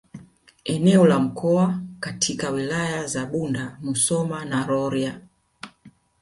Eneo la mkoa katika Wilaya za Bunda Musoma na Rorya